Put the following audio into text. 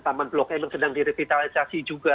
taman blok m yang sedang di revitalisasi juga